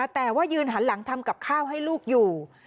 แต่ว่ายืนหันหลังทำกับข้าวให้ลูกอยู่